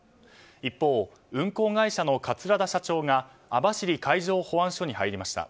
一方、運航会社の桂田社長が網走海上保安署に入りました。